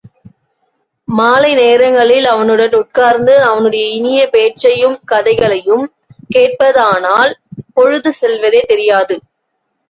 மாலை நேரங்களில் அவனுடன் உட்கார்ந்து அவனுடைய இனிய பேச்சையும், கதைகளையும் கேட்பதானால், பொழுது செல்வதே தெரியாது.